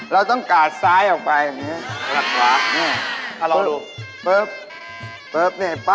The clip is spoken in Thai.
เราต้องกราดซ้ายออกไป